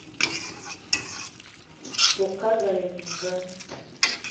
Oukalga aye bininga